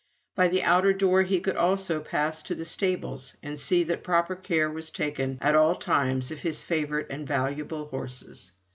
By the outer door he could also pass to the stables, and see that proper care was taken at all times of his favourite and valuable horses.